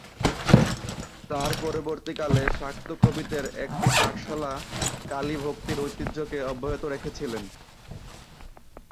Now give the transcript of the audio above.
তাঁর পরবর্তীকালে শাক্ত কবিদের একটি পাঠশালা কালী-ভক্তির ঐতিহ্যকে অব্যাহত রেখেছিলেন।